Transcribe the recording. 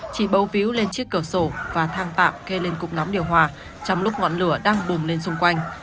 chỉ bấu víu lên chiếc cửa sổ và thang tạm kê lên cục nóng điều hòa trong lúc ngọn lửa đang bùng lên xung quanh